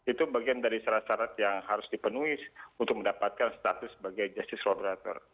itu bagian dari syarat syarat yang harus dipenuhi untuk mendapatkan status sebagai justice collaborator